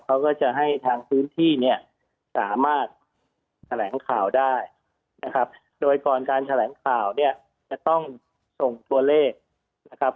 เขาก็จะให้ทางพื้นที่เนี่ยสามารถแถลงข่าวได้นะครับโดยก่อนการแถลงข่าวเนี่ยจะต้องส่งตัวเลขนะครับ